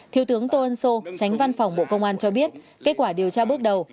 thiếu tướng tô ân sô tránh văn phòng bộ công an cho biết kết quả điều tra bước đầu